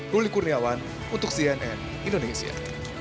ruli kurniawan untuk cnn indonesia